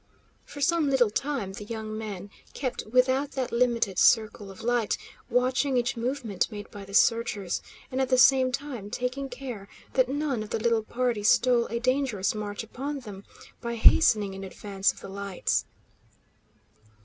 For some little time the young men kept without that limited circle of light, watching each movement made by the searchers, and at the same time taking care that none of the little party stole a dangerous march upon them by hastening in advance of the lights.